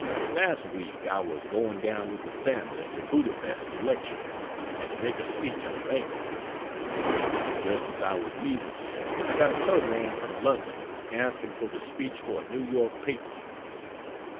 Last week I was going down with the family to Budapest to lecture, and to make a speech at a banquet. Just as I was leaving here I got a telegram from London asking for the speech for a New York paper.